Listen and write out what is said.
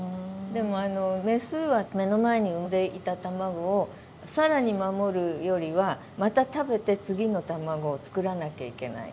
でもあのメスは目の前に産んでいた卵を更に守るよりはまた食べて次の卵を作らなきゃいけない。